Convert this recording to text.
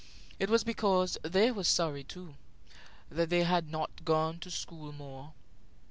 It was because they were sorry, too, that they had not gone to school more.